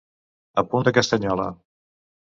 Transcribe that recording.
A punt de castanyola.